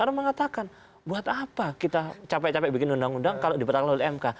orang mengatakan buat apa kita capek capek bikin undang undang kalau dipertahankan oleh mk